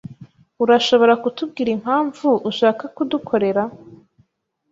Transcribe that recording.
Urashobora kutubwira impamvu ushaka kudukorera?